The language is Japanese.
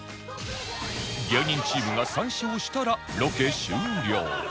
芸人チームが３勝したらロケ終了